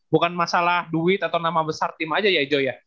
bukan masalah duit atau nama besar tim aja ya ejo ya